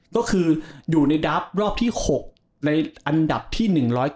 ก็คืออยู่ในดับรอบที่๖ในอันดับที่๑๙